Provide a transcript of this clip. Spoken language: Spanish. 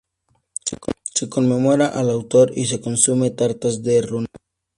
Se conmemora al autor y se consumen "Tartas de Runeberg".